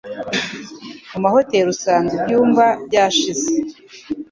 Mu mahoteri usanga ibyumba byashize,